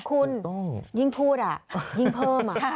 คุณยิ่งพูดอ่ะยิ่งเพิ่มอ่ะ